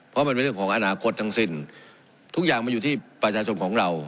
เพราะมันเป็นเรื่องของอนาคตทั้งสิ้นทุกอย่างมันอยู่ที่ประชาชนของเรา